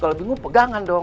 kalau bingung pegangan dong